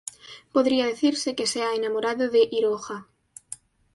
Podría decirse que se ha enamorado de Iroha.